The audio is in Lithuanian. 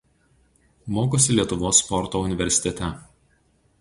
Mokosi Lietuvos Sporto Universitete.